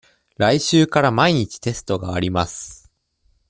来週から毎日テストがあります。